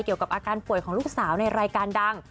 เกี่ยวกับอาการป่วยของลูกสาวในรายการดัง